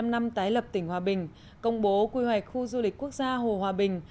một mươi năm năm tái lập tỉnh hòa bình công bố quy hoạch khu du lịch quốc gia hồ hòa bình